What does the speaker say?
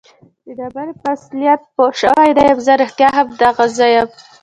د ډبرې په اصلیت پوه شوی نه یم. زه رښتیا هم دغه زه یم؟